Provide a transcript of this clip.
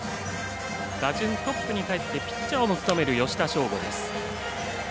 打順トップにかえってピッチャーも務める吉田匠吾です。